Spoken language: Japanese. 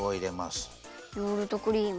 ヨーグルトクリーム。